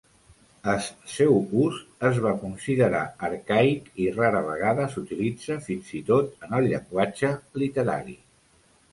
Es seu ús es va considerar arcaic i rara vegada s'utilitza fins i tot en el llenguatge literari.